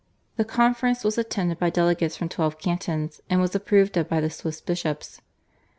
The conference was attended by delegates from twelve cantons, and was approved of by the Swiss bishops.